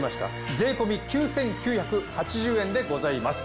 税込９，９８０円でございます。